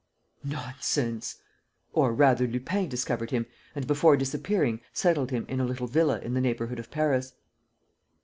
"Nonsense!" "Or rather Lupin discovered him, and before disappearing, settled him in a little villa in the neighborhood of Paris."